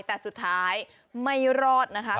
แต่สุดท้ายไม่รอดนะคะ